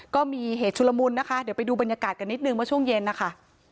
ก็มีเหตุชุลมุนนะคะเดี๋ยวไปดูบรรยากาศกันนิดนึงเมื่อช่วงเย็นนะคะ